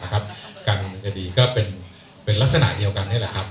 การทำคดีก็เป็นลักษณะเดียวกันนี่แหละครับ